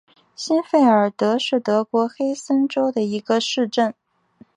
欣费尔德是德国黑森州的一个市镇。